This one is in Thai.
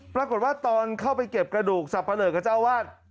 ปรากฏว่าตอนเข้าไปเก็บกระดูกสับปะเลิกกับเจ้าวาด